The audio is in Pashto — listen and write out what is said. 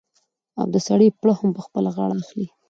او د سړي پړه هم په خپله غاړه اخلي.